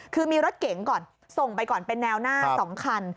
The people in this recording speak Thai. คือมีรถเก๋งก่อนส่งไปก่อนเป็นแนวหน้า๒คัน